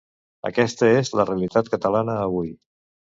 Aquesta és la realitat catalana avui.